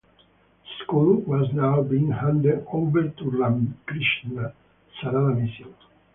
The school has now been handed over to Ramkrishna Sarada Mission.